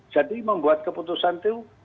jadi membuat keputusan itu